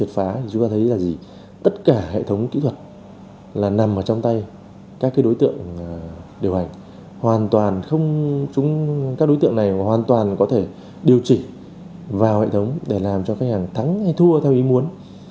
phải thắng hay thua theo ý muốn